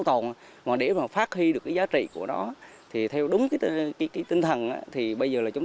tồn mà để mà phát huy được cái giá trị của nó thì theo đúng cái tinh thần thì bây giờ là chúng